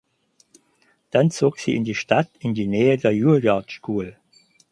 Dann zog sie in die Stadt in die Nähe der Juilliard School.